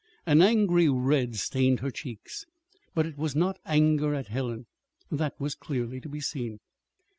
An angry red stained her cheeks but it was not anger at Helen. That was clearly to be seen.